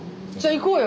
行こうよ！